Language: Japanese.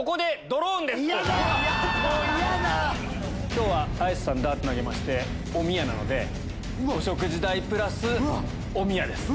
今日は綾瀬さんダーツ投げておみやなのでお食事代プラスおみやです。